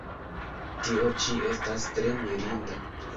Tio ĉi estas tre mirinda!